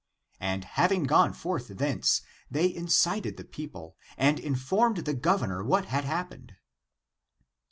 And having gone forth thence, they incited the peo ple, and informed the governor what had happened.